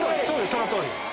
そのとおりです。